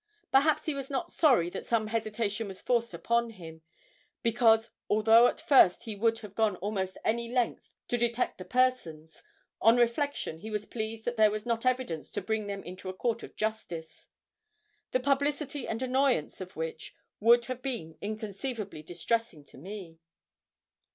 Perhaps he was not sorry that some hesitation was forced upon him, because although at first he would have gone almost any length to detect the persons, on reflection he was pleased that there was not evidence to bring them into a court of justice, the publicity and annoyance of which would have been inconceivably distressing to me.